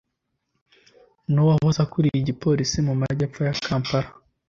n’uwahoze akuriye igipolisi mu majyefo ya Kampala